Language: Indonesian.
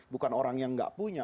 bukan orang yang gak punya